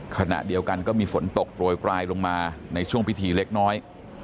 ขณะเดียวกันก็มีฝนตกโปรยปลายลงมาในช่วงพิธีเล็กน้อย